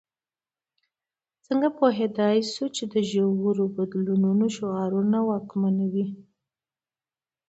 څنګه پوهېدای شو چې د ژورو بدلونونو شعارونه واکمنوي.